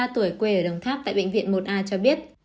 ba mươi tuổi quê ở đồng tháp tại bệnh viện một a cho biết